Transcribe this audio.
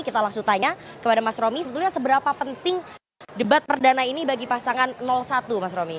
kita langsung tanya kepada mas romi sebetulnya seberapa penting debat perdana ini bagi pasangan satu mas romy